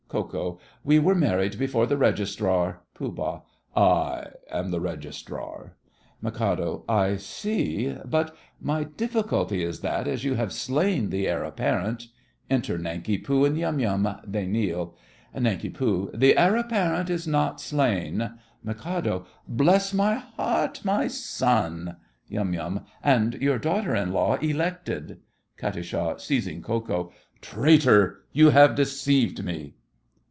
KO. We were married before the Registrar. POOH. I am the Registrar. MIK. I see. But my difficulty is that, as you have slain the Heir Apparent—— Enter Nanki Poo and Yum Yum. They kneel. NANK. The Heir Apparent is not slain. MIK. Bless my heart, my son! YUM. And your daughter in law elected! KAT. (seizing Ko Ko). Traitor, you have deceived me!